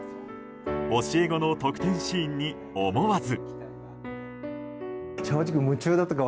教え子の得点シーンに思わず。